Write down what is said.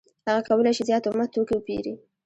هغه کولای شي زیات اومه توکي وپېري